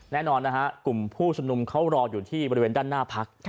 แน่นอนนะฮะกลุ่มผู้ชุมนุมเขารออยู่ที่บริเวณด้านหน้าพัก